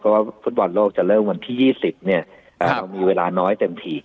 เพราะว่าฟุตบอลโลกจะเริ่มวันที่๒๐เนี่ยเรามีเวลาน้อยเต็มที